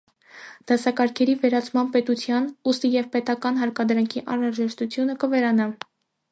Դասակարգերի վերացմամբ պետության, ուստի և պետական հարկադրանքի անհրաժեշտությունը կվերանա։